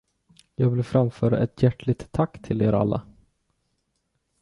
Jag vill framföra ett hjärtligt tack till er alla.